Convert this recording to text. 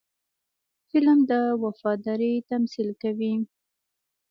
فلم د وفادارۍ تمثیل کوي